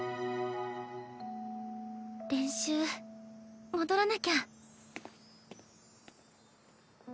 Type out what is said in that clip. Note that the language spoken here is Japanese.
練習戻らなきゃ。